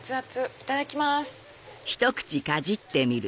いただきます。